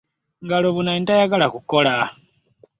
Ngalo bunani tayagala kukola.